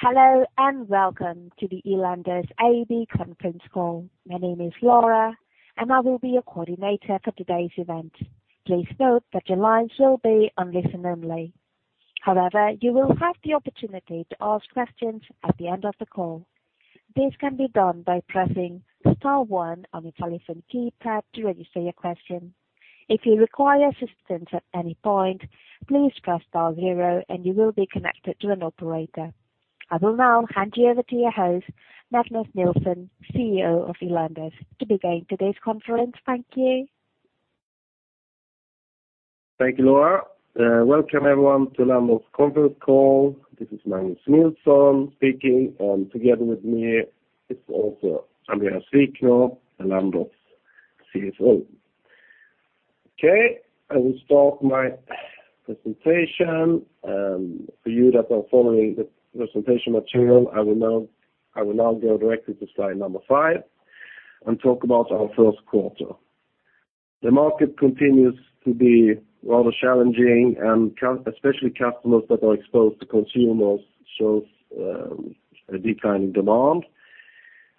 Hello and welcome to the Elanders AB conference call. My name is Laura, and I will be your coordinator for today's event. Please note that your lines will be on listen only. However, you will have the opportunity to ask questions at the end of the call. This can be done by pressing star one on your telephone keypad to register your question. If you require assistance at any point, please press star zero and you will be connected to an operator. I will now hand you over to your host, Magnus Nilsson, CEO of Elanders, to begin today's conference. Thank you. Thank you, Laura. Welcome everyone to Elanders conference call. This is Magnus Nilsson speaking, and together with me is also Andréas Wikner, Elanders CFO. I will start my presentation. For you that are following the presentation material, I will now go directly to slide number five and talk about our first quarter. The market continues to be rather challenging and especially customers that are exposed to consumers shows a declining demand.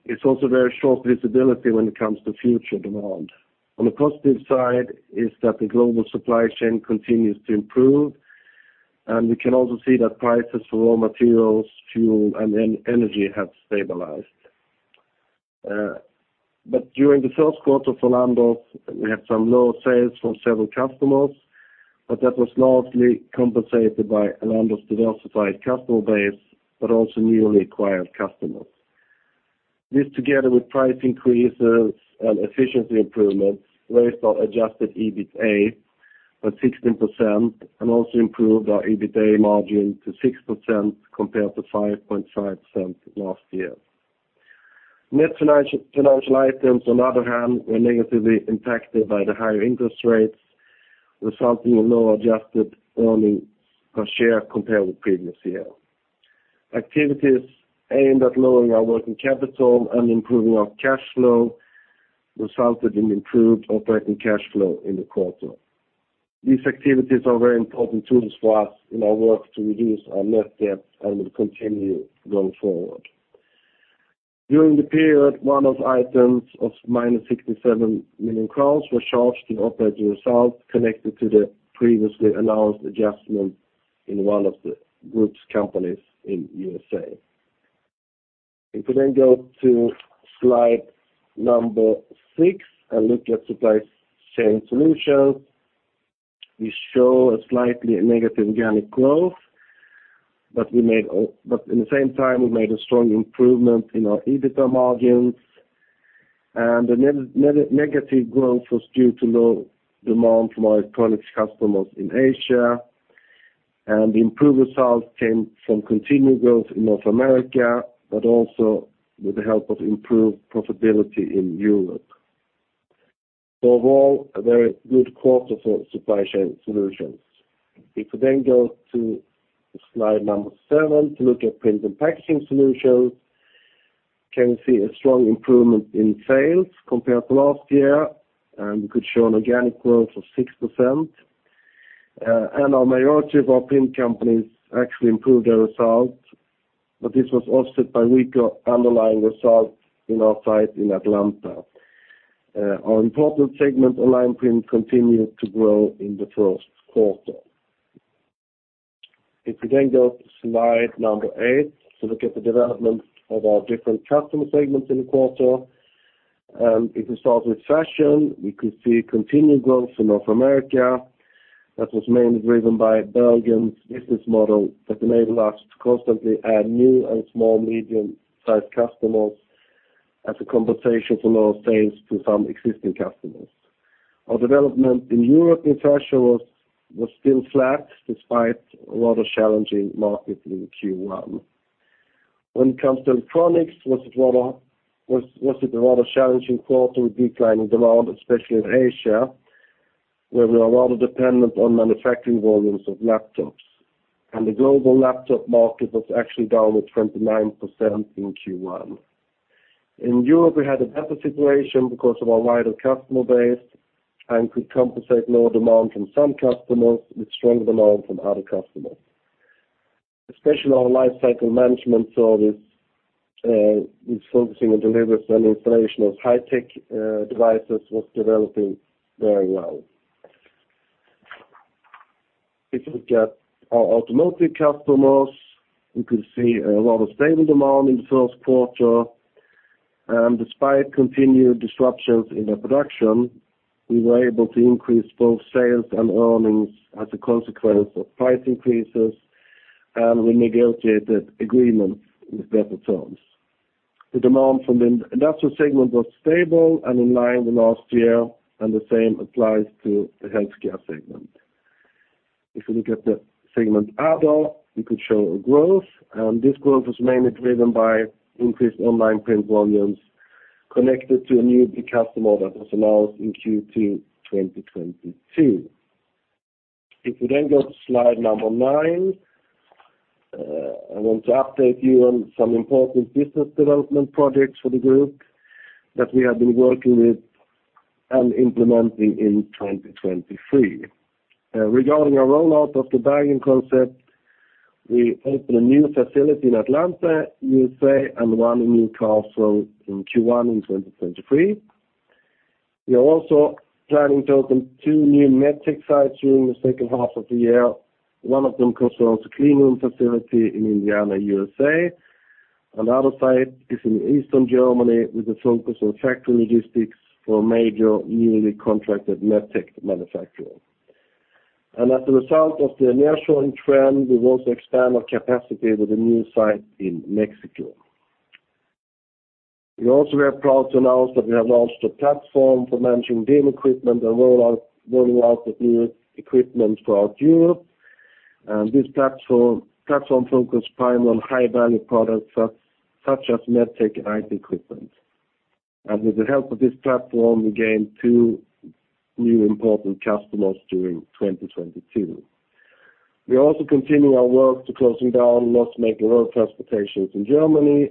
It's also very short visibility when it comes to future demand. On the positive side is that the global supply chain continues to improve, and we can also see that prices for raw materials, fuel and energy have stabilized. During the first quarter for Elanders we had some low sales from several customers, but that was largely compensated by Elanders' diversified customer base, but also newly acquired customers. This together with price increases and efficiency improvements raised our adjusted EBITA by 16% and also improved our EBITA margin to 6% compared to 5.5% last year. Net financial items on other hand were negatively impacted by the higher interest rates, resulting in lower adjusted earnings per share compared with previous year. Activities aimed at lowering our working capital and improving our cash flow resulted in improved operating cash flow in the quarter. These activities are very important tools for us in our work to reduce our net debt and will continue going forward. During the period, one-off items of -67 million crowns were charged in operating results connected to the previously announced adjustment in one of the group's companies in U.S.A. Then go to slide number six and look at Supply Chain Solutions, we show a slightly negative organic growth, but in the same time we made a strong improvement in our EBITA margins, and the negative growth was due to low demand from our electronics customers in Asia. The improved results came from continued growth in North America, but also with the help of improved profitability in Europe. Overall, a very good quarter for Supply Chain Solutions. Then go to slide number seven to look at Print and Packaging Solutions, can we see a strong improvement in sales compared to last year, and we could show an organic growth of 6%. Our majority of our print companies actually improved their results, but this was offset by weaker underlying results in our site in Atlanta. Our important segment Online Print continued to grow in the first quarter. We then go to slide number eight to look at the development of our different customer segments in the quarter. If we start with fashion, we could see continued growth in North America that was mainly driven by Bergen's business model that enable us to constantly add new and small medium-sized customers as a compensation for lower sales to some existing customers. Our development in Europe in fashion was still flat despite a rather challenging market in Q1. When it comes to electronics, it was a rather challenging quarter with declining demand, especially in Asia, where we are rather dependent on manufacturing volumes of laptops. The global laptop market was actually down to 29% in Q1. In Europe, we had a better situation because of our wider customer base and could compensate lower demand from some customers with stronger demand from other customers. Especially our Lifecycle Management Service is focusing on delivery and installation of high-tech devices was developing very well. If we look at our automotive customers, we could see a lot of stable demand in the first quarter. Despite continued disruptions in the production, we were able to increase both sales and earnings as a consequence of price increases. We negotiated agreements with better terms. The demand from the industrial segment was stable and in line with last year. The same applies to the healthcare segment. This growth was mainly driven by increased Online Print volumes connected to a new big customer that was announced in Q2 2022. We then go to slide number nine. I want to update you on some important business development projects for the group that we have been working with and implementing in 2023. Regarding our rollout of the bagging concept, we opened a new facility in Atlanta, U.S.A., and one in Newcastle in Q1 2023. We are also planning to open two new MedTech sites during the second half of the year. One of them concerns a cleanroom facility in Indiana, U.S.A., and the other site is in Eastern Germany with a focus on factory logistics for a major newly contracted MedTech manufacturer. As a result of the nearshoring trend, we will also expand our capacity with a new site in Mexico. We also were proud to announce that we have launched a platform for managing game equipment and rolling out of new equipment throughout Europe. This platform focus prime on high-value products such as MedTech and IT equipment. With the help of this platform, we gained two new important customers during 2022. We also continue our work to closing down loss-making road transportations in Germany.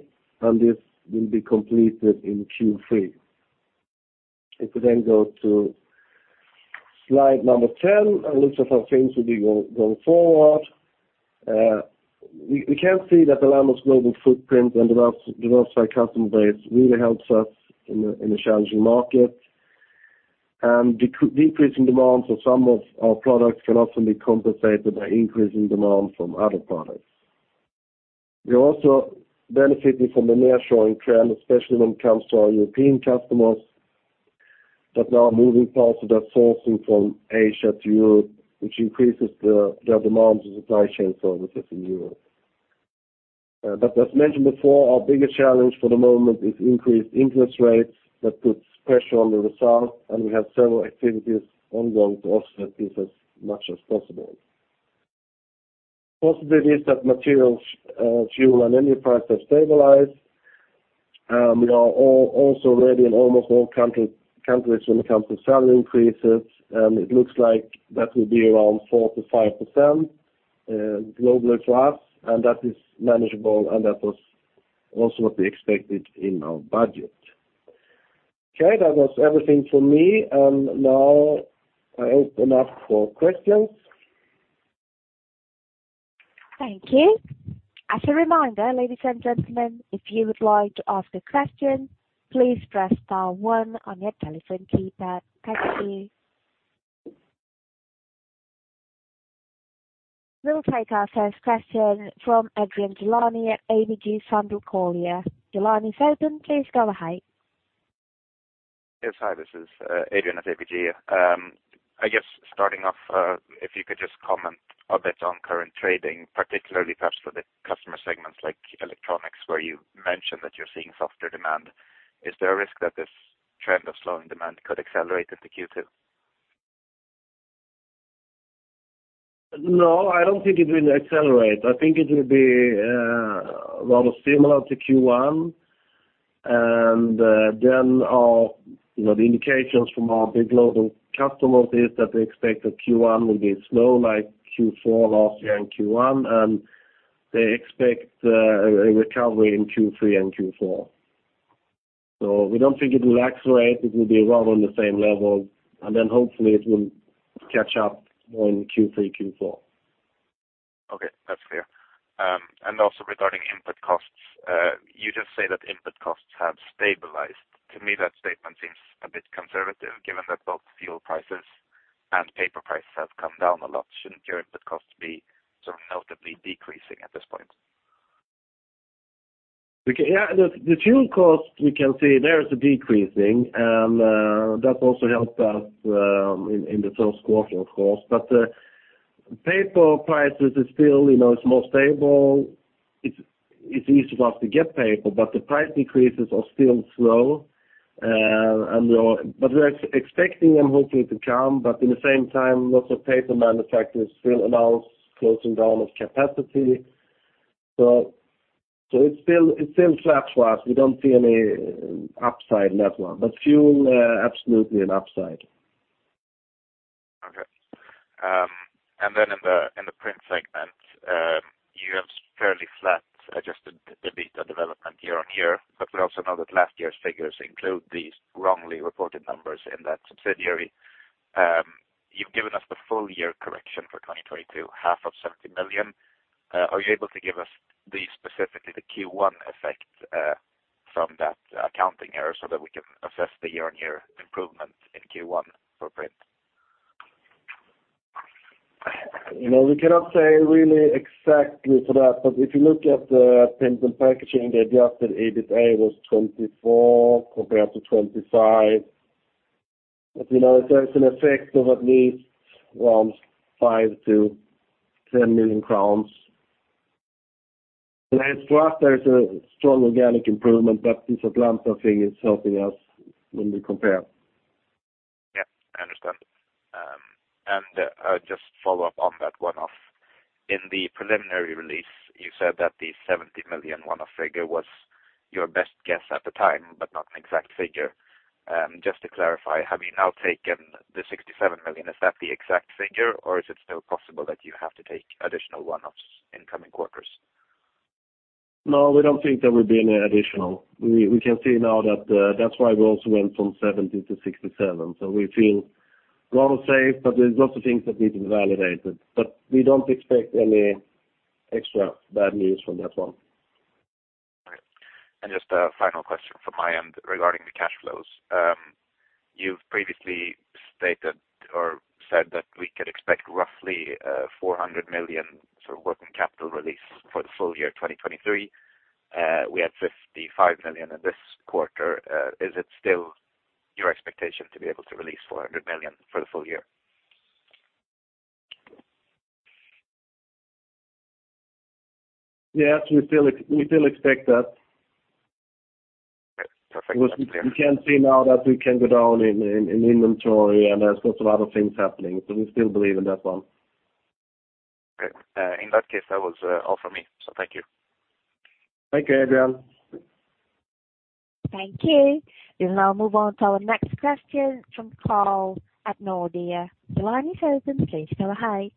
This will be completed in Q3. If we go to slide number 10, a look of how things will be going forward. We can see that the Elanders global footprint and diversified customer base really helps us in a challenging market. Decreasing demand for some of our products can often be compensated by increasing demand from other products. We are also benefiting from the nearshoring trend, especially when it comes to our European customers that are now moving parts of their sourcing from Asia to Europe, which increases their demand for supply chain services in Europe. As mentioned before, our biggest challenge for the moment is increased interest rates. That puts pressure on the results, and we have several activities ongoing to offset this as much as possible. Possibilities that materials, fuel and energy prices stabilize. We are also ready in almost all countries when it comes to salary increases, and it looks like that will be around 4%-5% globally to us, and that is manageable, and that was also what we expected in our budget. Okay, that was everything for me. Now I open up for questions. Thank you. As a reminder, ladies and gentlemen, if you would like to ask a question, please press star one on your telephone keypad. Thank you. We'll take our first question from Adrian Gilani at ABG Sundal Collier. Your line is open. Please go ahead. Yes. Hi, this is Adrian at ABG. I guess starting off, if you could just comment a bit on current trading, particularly perhaps for the customer segments like electronics, where you mentioned that you're seeing softer demand. Is there a risk that this trend of slowing demand could accelerate into Q2? No, I don't think it will accelerate. I think it will be rather similar to Q1. Then our, you know, the indications from our big global customers is that they expect that Q1 will be slow like Q4 last year and Q1, and they expect a recovery in Q3 and Q4. We don't think it will accelerate. It will be rather on the same level, and then hopefully it will catch up more in Q3, Q4. Okay, that's clear. Also regarding input costs, you just say that input costs have stabilized. To me, that statement seems a bit conservative, given that both fuel prices and paper prices have come down a lot. Shouldn't your input costs be sort of notably decreasing at this point? Okay, yeah. The fuel cost, we can see there is decreasing. That also helped us in the first quarter, of course. Paper prices is still, you know, is more stable. It's easy for us to get paper, but the price decreases are still slow. We're expecting them hopefully to come, but in the same time, lots of paper manufacturers still announce closing down of capacity. It's still flat for us. We don't see any upside in that one. Fuel absolutely an upside. Okay. In the print segment, you have fairly flat adjusted EBITDA development year-on-year. We also know that last year's figures include these wrongly reported numbers in that subsidiary. You've given us the full year correction for 2022, half of 70 million. Are you able to give us the specifically the Q1 effect from that accounting error so that we can assess the year-on-year improvement in Q1 for print? You know, we cannot say really exactly to that. If you look at the Print and Packaging, the adjusted EBITA was 2024 compared to 2025. You know, there's an effect of at least around 5 million-10 million crowns. As to us, there is a strong organic improvement. This Elanders thing is helping us when we compare. Yeah, I understand. Just follow up on that one-off. In the preliminary release, you said that the 70 million one-off figure was your best guess at the time, but not an exact figure. Just to clarify, have you now taken the 67 million? Is that the exact figure, or is it still possible that you have to take additional one-offs in coming quarters? No, we don't think there will be any additional. We can see now that's why we also went from 70 million-67 million. We feel well safe, but there's lots of things that need to be validated, but we don't expect any extra bad news from that one. All right. Just a final question from my end regarding the cash flows. You've previously stated or said that we could expect roughly 400 million sort of working capital release for the full year 2023. We had 55 million in this quarter. Is it still your expectation to be able to release 400 million for the full year? Yes, we still expect that. Okay. Perfect. We can see now that we can go down in inventory. There's lots of other things happening. We still believe in that one. Okay. In that case, that was all for me, so thank you. Thank you, Adrian. Thank you. We'll now move on to our next question from Carl at Nordea. The line is open. Please go ahead.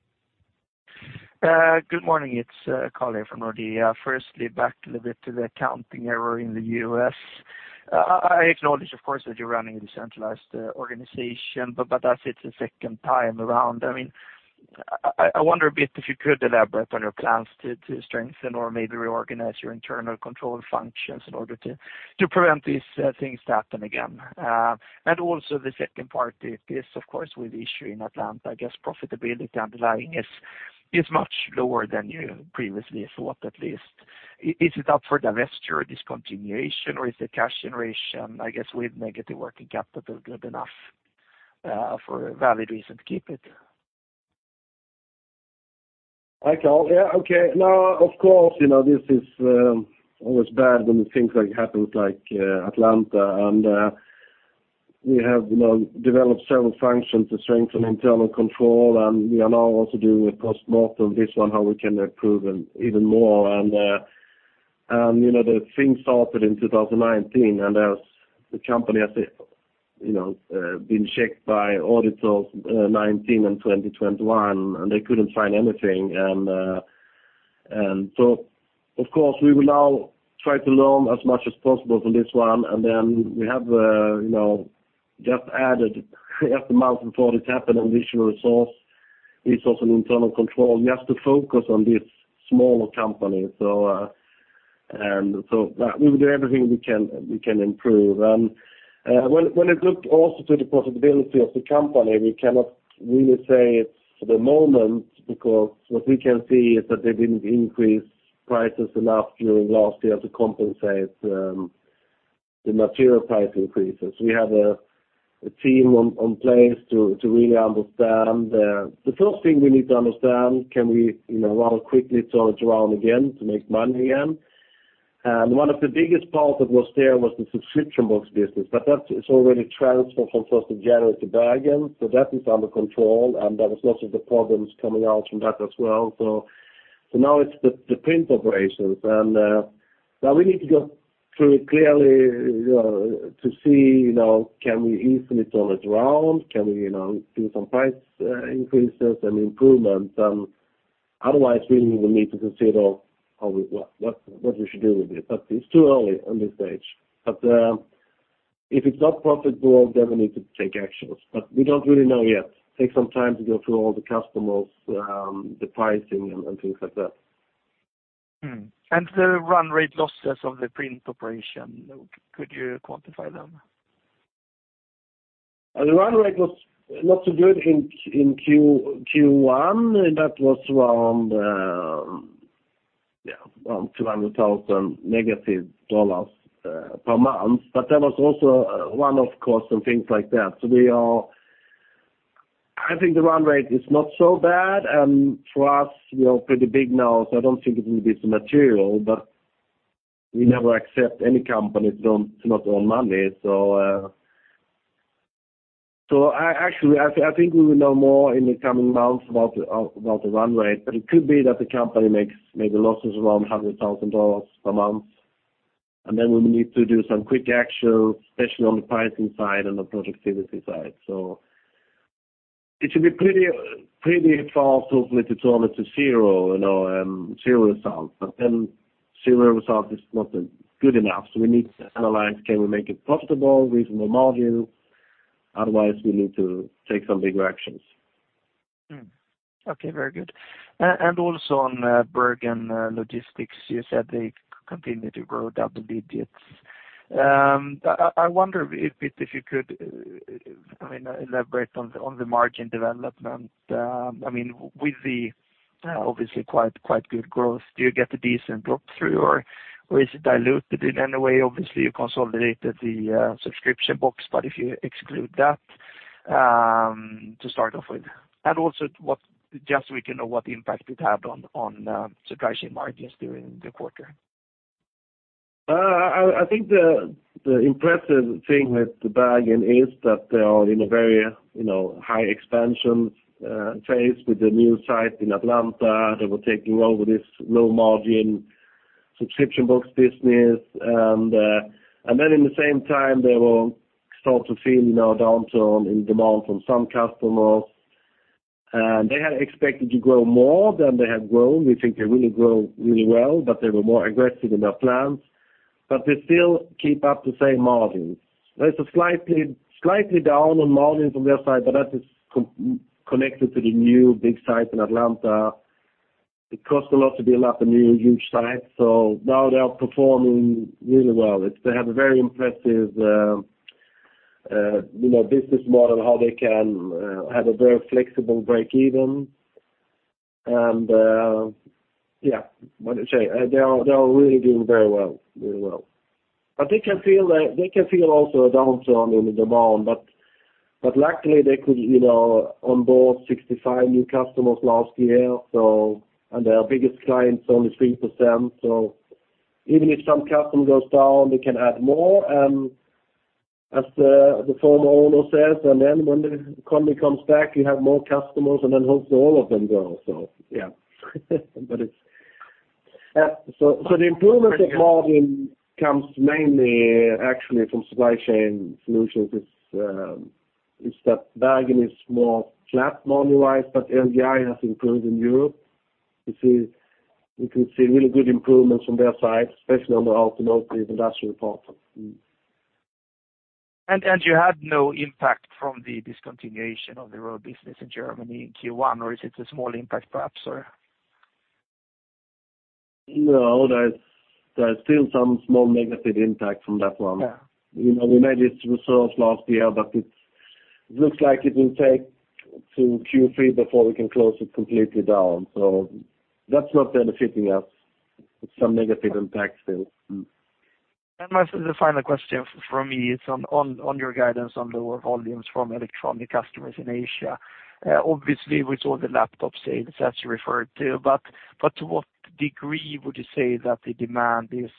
Good morning. It's Carl here from Nordea. Firstly, back a little bit to the accounting error in the U.S. I acknowledge, of course, that you're running a decentralized organization, but as it's the second time around, I mean, I wonder a bit if you could elaborate on your plans to strengthen or maybe reorganize your internal control functions in order to prevent these things to happen again. Also the second part is this, of course, with the issue in Atlanta, I guess, profitability underlying is much lower than you previously thought, at least. Is it up for divesture or discontinuation, or is the cash generation, I guess, with negative working capital good enough for a valid reason to keep it? Hi, Carl. Yeah, okay. No, of course, you know, this is always bad when things like happen with like Elanders. We have, you know, developed several functions to strengthen internal control, and we are now also doing a post-mortem on this one, how we can improve even more. The thing started in 2019, and as the company has, you know, been checked by auditors, 2019 and 2021, and they couldn't find anything. Of course, we will now try to learn as much as possible from this one. We have, you know, just added just a month before this happened, additional resource and internal control just to focus on this smaller company. We will do everything we can improve. When it looked also to the profitability of Elanders, we cannot really say it for the moment because what we can see is that they didn't increase prices enough during last year to compensate the material price increases. We have a team on place to really understand. The first thing we need to understand, can we, you know, rather quickly turn it around again to make money again? One of the biggest parts that was there was the subscription box business, but that is already transferred from 1st of January to Bergen. That is under control, and that was most of the problems coming out from that as well. Now it's the print operations. Now we need to go through clearly to see, you know, can we easily turn it around? Can we, you know, do some price increases and improvements? Otherwise, really, we need to consider how we what we should do with it. It's too early on this stage. If it's not profitable, then we need to take actions, but we don't really know yet. Take some time to go through all the customers, the pricing and things like that. The run rate losses of the print operation, could you quantify them? The run rate was not so good in Q1. That was around -$200,000 per month. There was also a one-off cost and things like that. I think the run rate is not so bad, and for us, we are pretty big now, so I don't think it will be so material. We never accept any company don't, to not earn money. I actually, I think we will know more in the coming months about the run rate, but it could be that the company makes maybe losses around $100,000 per month. We need to do some quick action, especially on the pricing side and the productivity side. It should be pretty fast for us to turn it to zero, you know, zero results. Zero results is not good enough, so we need to analyze can we make it profitable, reasonable margin? Otherwise, we need to take some bigger actions. Okay. Very good. Also on Bergen Logistics, you said they continue to grow double digits. I wonder if you could elaborate on the margin development. With the obviously good growth, do you get a decent drop-through, or is it diluted in any way? Obviously, you consolidated the subscription box, but if you exclude that to start off with. Also just so we can know what impact it had on Supply Chain margins during the quarter. I think the impressive thing with the Bergen is that they are in a very, you know, high expansion phase with the new site in Atlanta. They were taking over this low-margin subscription box business. In the same time, they will start to feel, you know, a downturn in demand from some customers. They had expected to grow more than they had grown. We think they really grow really well, but they were more aggressive in their plans. They still keep up the same margins. There's a slightly down on margins on their side, but that is connected to the new big site in Atlanta. It costs a lot to build up a new huge site. Now they are performing really well. They have a very impressive, you know, business model, how they can have a very flexible break even. Yeah. What I say, they are really doing very well. They can feel also a downturn in the demand. But luckily they could, you know, onboard 65 new customers last year, so. Their biggest client is only 3%. Even if some customer goes down, they can add more. As the former owner says, "Then when the economy comes back, you have more customers, and then hopefully all of them grow." Yeah. It's. So the improvement of margin comes mainly actually from Supply Chain Solutions. It's that Bergen is more flat margin-wise, but LGI has improved in Europe. You can see really good improvements on their side, especially on the automotive industrial part. You had no impact from the discontinuation of the rural business in Germany in Q1, or is it a small impact, perhaps, or? There's still some small negative impact from that one. Yeah. You know, we made it reserved last year, but it's, looks like it will take to Q3 before we can close it completely down. That's not benefiting us. It's some negative impact still. This is the final question from me. It's on your guidance on lower volumes from electronic customers in Asia. Obviously, with all the laptop sales that you referred to. But to what degree would you say that the demand is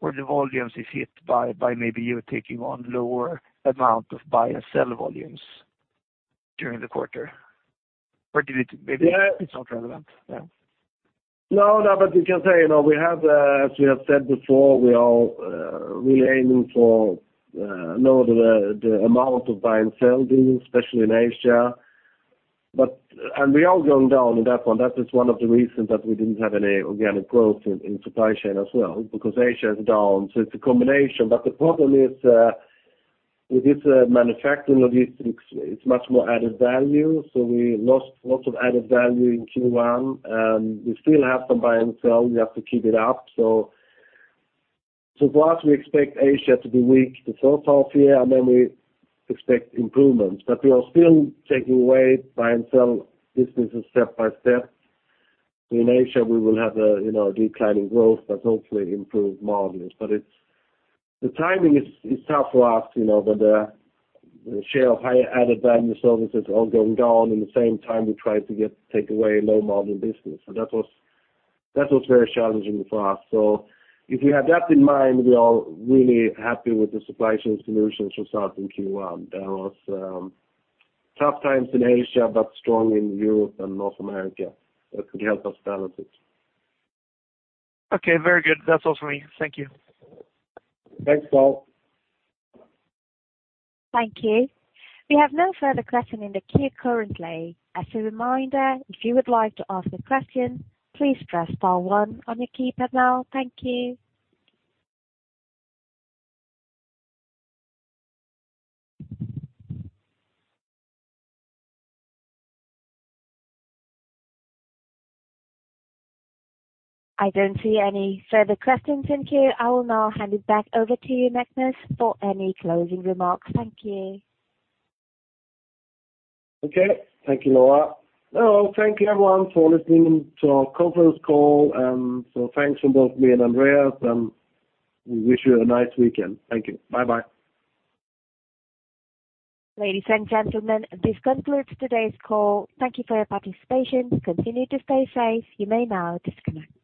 or the volumes is hit by maybe you taking on lower amount of buy and sell volumes during the quarter? Or did it maybe- Yeah. It's not relevant. Yeah. No, no, but you can say, you know, we have, as we have said before, we are really aiming for lower the amount of buy and sell deals, especially in Asia. We are going down on that one. That is one of the reasons that we didn't have any organic growth in supply chain as well, because Asia is down, so it's a combination. The problem is with this manufacturing logistics, it's much more added value. We lost lots of added value in Q1, and we still have some buy and sell. We have to keep it up. For us, we expect Asia to be weak the first half of the year, and then we expect improvements. We are still taking away buy and sell businesses step by step. In Asia, we will have a, you know, declining growth, hopefully improved margins. The timing is tough for us, you know, but the share of high added value services are going down. In the same time, we try to get take away low-margin business. That was very challenging for us. If you have that in mind, we are really happy with the Supply Chain Solutions result in Q1. There was tough times in Asia, but strong in Europe and North America that could help us balance it. Okay, very good. That's all for me. Thank you. Thanks, Carl. Thank you. We have no further question in the queue currently. As a reminder, if you would like to ask a question, please press star one on your keypad now. Thank you. I don't see any further questions in queue. I will now hand it back over to you, Magnus, for any closing remarks. Thank you. Okay. Thank you, Laura. No, thank you, everyone, for listening to our conference call. Thanks from both me and Andréas, and we wish you a nice weekend. Thank you. Bye-bye. Ladies and gentlemen, this concludes today's call. Thank you for your participation. Continue to stay safe. You may now disconnect.